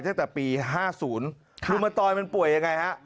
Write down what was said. ตั้งแต่ปี๕๐ลุงมาตอยมันป่วยยังไงฮะ